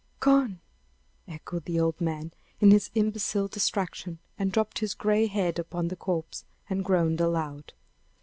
gone!" echoed the old man, in his imbecile distraction, and dropped his gray head upon the corpse, and groaned aloud.